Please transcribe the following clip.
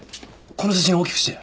この写真大きくして！